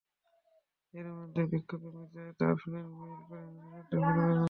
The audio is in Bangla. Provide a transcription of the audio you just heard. এরই মধ্যে বৃক্ষপ্রেমিক জায়েদ আমিন মেইল করে একটি ফুলের ছবি পাঠান।